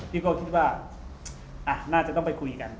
พี่ก็คิดว่าน่าจะต้องไปคุยกัน